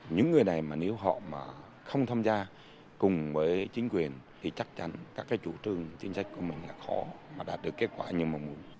những người này mà nếu họ mà không tham gia cùng với chính quyền thì chắc chắn các cái chủ trương chính sách của mình là khó mà đạt được kết quả như mong muốn